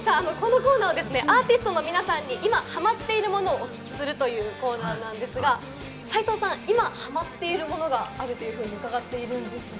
このコーナーはアーティストの皆さんに今ハマっているものをお聞きするというコーナーなんですが、斉藤さん、今ハマっているものがあるということを伺っていますが？